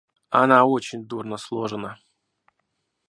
Она очень дурно сложена...